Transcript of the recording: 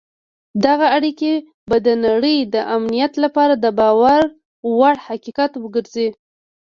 دغه اړیکي به د نړۍ د امنیت لپاره د باور وړ حقیقت وګرځي.